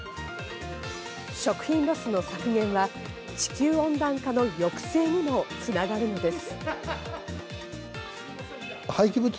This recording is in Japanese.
食品ロスの削減は地球温暖化の抑制にもつながるのです。